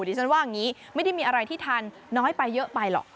ดิฉันว่าอย่างนี้ไม่ได้มีอะไรที่ทานน้อยไปเยอะไปหรอก